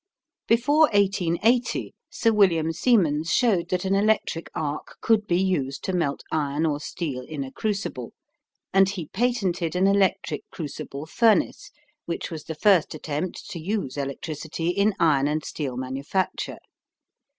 Before 1880 Sir William Siemens showed that an electric arc could be used to melt iron or steel in a crucible, and he patented an electric crucible furnace which was the first attempt to use electricity in iron and steel manufacture.